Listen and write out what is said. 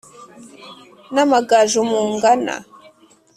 N'amagaju mungana